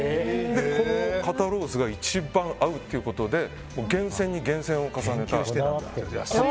この肩ロースが一番合うっていうことで厳選に厳選を重ねた。